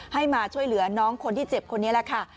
ให้มาช่วยเหลือน้องคนที่เจ็บคนนี้แหละค่ะ